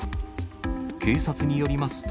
警察によりますと、